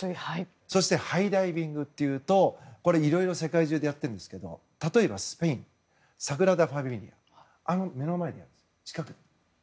そしてハイダイビングというといろいろ世界中でやってるんですけど例えばスペインのサグラダ・ファミリアあの目の前、近くです。